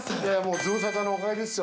ズムサタのおかげですよ。